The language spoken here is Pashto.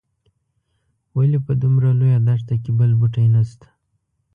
ولې په دومره لویه دښته کې بل بوټی نه شته.